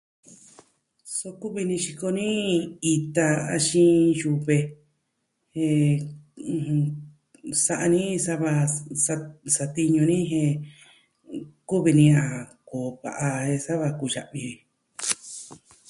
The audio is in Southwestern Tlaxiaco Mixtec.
Su kuvi ni xiko ni ita, axin yuve. Jen sa'a ni sava satiñu ni jen kuvi ni a koo va'a e saa va kuya'vi.